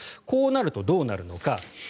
こうなるとどうなるのか。